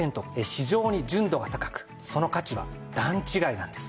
非常に純度が高くその価値は段違いなんです。